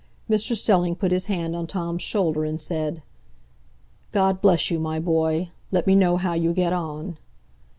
Mr Stelling put his hand on Tom's shoulder and said: "God bless you, my boy; let me know how you get on."